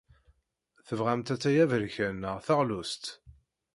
Tebɣamt atay aberkan neɣ taɣlust?